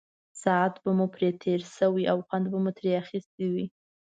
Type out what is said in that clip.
ساعت به مو پرې تېر شوی او خوند به مو ترې اخیستی وي.